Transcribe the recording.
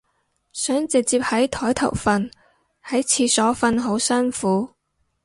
想直接喺枱頭瞓，喺廁所瞓好辛苦